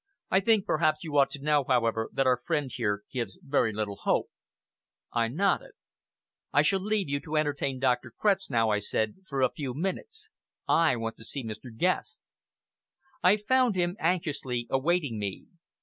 "I think perhaps you ought to know, however, that our friend here gives very little hope." I nodded. "I shall leave you to entertain Dr. Kretznow," I said, "for a few minutes. I want to see Mr. Guest!" I found him anxiously awaiting me.